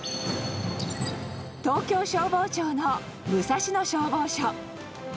東京消防庁の武蔵野消防署。